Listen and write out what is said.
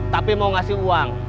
tapi mau ngasih uang